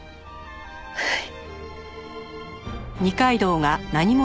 はい。